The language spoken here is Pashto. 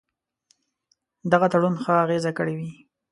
دغه تړون ښه اغېزه کړې وي.